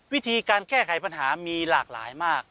วิธีการแก้ไขปัญหามีหลากหลายมาก